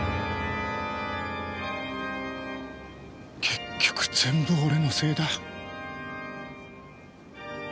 結局全部俺のせいだ。